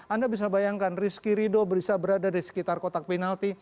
anda bisa bayangkan rizky rido bisa berada di sekitar kotak penalti